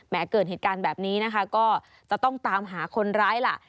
เกิดเหตุการณ์แบบนี้นะคะก็จะต้องตามหาคนร้ายล่ะ